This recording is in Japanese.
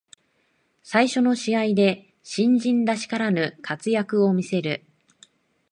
最初の試合で新人らしからぬ活躍を見せる